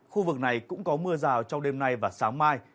khu vực này cũng có mưa rào trong đêm nay và sáng mai